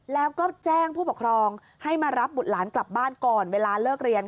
แล้วก็แจ้งผู้ปกครองให้มารับบุตรหลานกลับบ้านก่อนเวลาเลิกเรียน